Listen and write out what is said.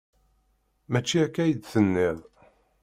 Mačči akka i d-tenniḍ.